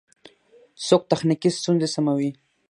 څوک تخنیکی ستونزی سموي؟